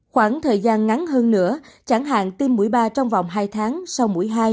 khoảng thời gian ngắn hơn nữa chẳng hạn tiêm mũi ba trong vòng hai tháng sau mũi hai